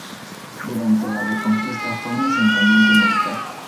Durante la Reconquista fue un asentamiento militar.